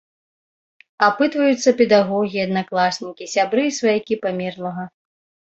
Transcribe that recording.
Апытваюцца педагогі, аднакласнікі, сябры і сваякі памерлага.